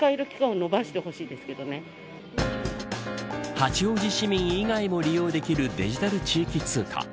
八王子市民以外も利用できるデジタル地域通貨。